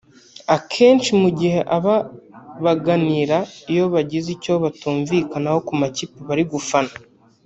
akenshi mu gihe aba baganira iyo bagize icyo batumvikanaho ku makipe bari gufana